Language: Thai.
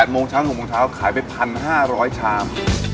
โมงเช้า๖โมงเช้าขายไป๑๕๐๐ชาม